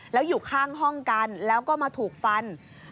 แล้วอยู่ข้างห้องกันแล้วก็มาถูกฟัน